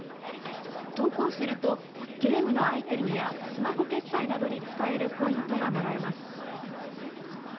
投稿するとゲームのアイテムやスマホ決済などに使えるポイントがもらえます。